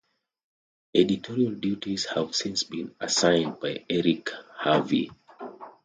Editorial duties have since been assigned to Eric Harvey.